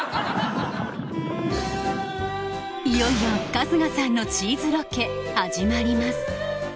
いよいよ春日さんのチーズロケ始まります